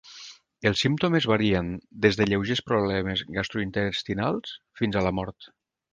Els símptomes varien des de lleugers problemes gastrointestinals fins a la mort.